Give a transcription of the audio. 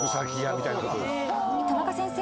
田中先生。